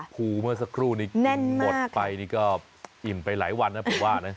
ครูเมื่อสักครู่นี้กินหมดไปนี่ก็อิ่มไปหลายวันนะผมว่านะ